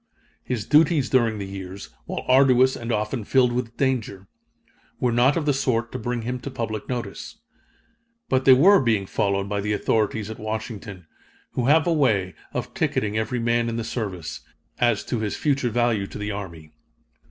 His duties during the years, while arduous and often filled with danger, were not of the sort to bring him to public notice. But they were being followed by the authorities at Washington, who have a way of ticketing every man in the service, as to his future value to the army.